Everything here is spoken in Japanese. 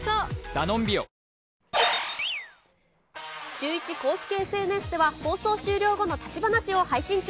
シューイチ公式ＳＮＳでは、放送終了後の立ち話を配信中。